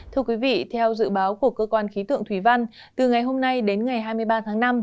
thưa quý vị theo dự báo của cơ quan khí tượng thủy văn từ ngày hôm nay đến ngày hai mươi ba tháng năm